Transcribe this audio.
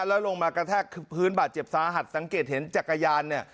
แล้วลงมากระแทกพื้นบาดเจ็บสาหัสสังเกตเห็นจักรยานเนี่ย